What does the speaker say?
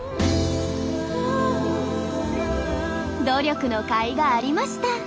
努力のかいがありました。